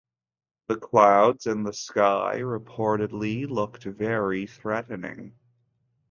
The clouds in the sky reportedly looked very threatening.